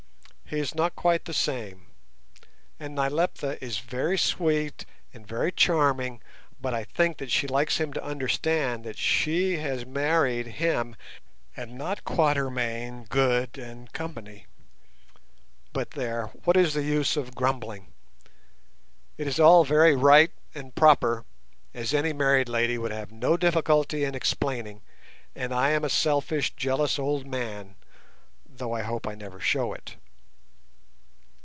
He is not quite the same, and Nyleptha is very sweet and very charming, but I think that she likes him to understand that she has married him, and not Quatermain, Good, and Co. But there! what is the use of grumbling? It is all very right and proper, as any married lady would have no difficulty in explaining, and I am a selfish, jealous old man, though I hope I never show it.